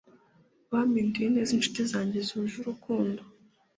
bampinduye neza inshuti zanjye zuje urukundo